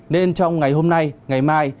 nên trong ngày hôm nay ngày mai